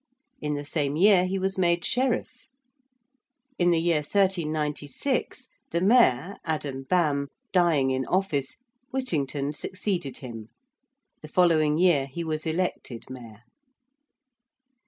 In the same year he was made Sheriff. In the year 1396, the Mayor, Adam Bamme, dying in office, Whittington succeeded him. The following year he was elected Mayor.